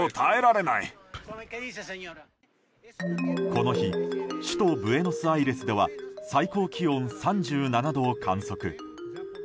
この日首都ブエノスアイレスでは最高気温３７度を観測。